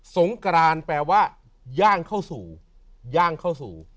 สงกรานแปลว่าย่างเข้าสู่ย่างเข้าสู่